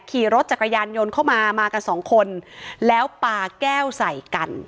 ขี่รถจักรยานยนต์เข้ามามากันสองคนแล้วปาแก้วใส่กัน